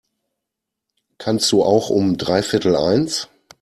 Kannst du auch um dreiviertel eins?